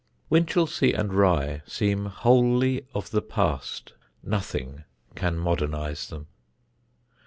Winchelsea and Rye seem wholly of the past. Nothing can modernise them.